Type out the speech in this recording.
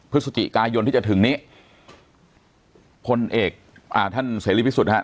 พฤศจิกายนที่จะถึงนี้พลเอกอ่าท่านเสรีพิสุทธิ์ฮะ